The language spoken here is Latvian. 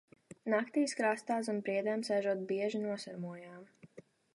Naktīs krastā, zem priedēm sēžot, bieži nosarmojām.